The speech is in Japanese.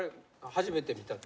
初めて見た。